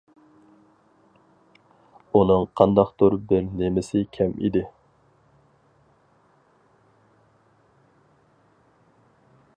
ئۇنىڭ قانداقتۇر بىر نېمىسى كەم ئىدى.